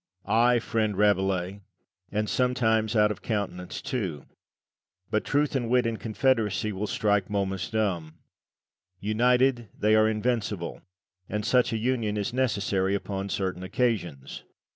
Lucian. Ay, friend Rabelais, and sometimes out of countenance too. But Truth and Wit in confederacy will strike Momus dumb. United they are invincible, and such a union is necessary upon certain occasions.